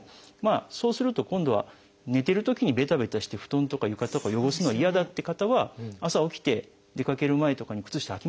そうすると今度は寝てるときにベタベタして布団とか床とか汚すの嫌だっていう方は朝起きて出かける前とかに靴下はきますよね。